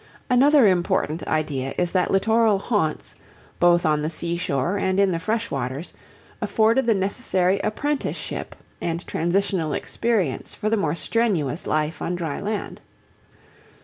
Another important idea is that littoral haunts, both on the seashore and in the freshwaters, afforded the necessary apprenticeship and transitional experience for the more strenuous life on dry land.